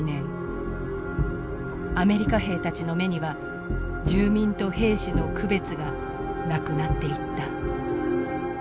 アメリカ兵たちの目には住民と兵士の区別がなくなっていった。